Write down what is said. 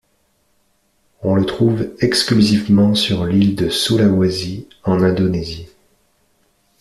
On le trouve exclusivement sur l'île de Sulawesi en Indonésie.